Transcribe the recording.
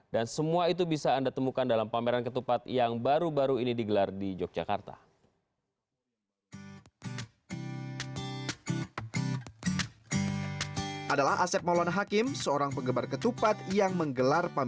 dan semua itu bisa anda temukan dalam pameran ketupat yang baru baru ini digelar di yogyakarta